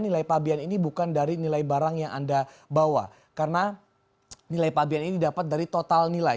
nilai pabean ini bukan dari nilai barang yang anda bawa karena nilai pabean ini didapat dari total nilai